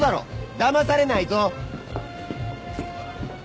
だまされないぞ。